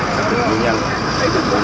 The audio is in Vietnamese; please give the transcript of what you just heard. làm rõ nguyên nhân vụ tai nạn